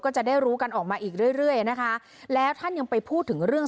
ก็จะได้รู้กันออกมาอีกเรื่อยเรื่อยนะคะแล้วท่านยังไปพูดถึงเรื่อง